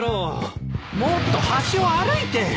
もっと端を歩いて。